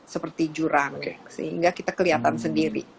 seperti jurang sehingga kita kelihatan sendiri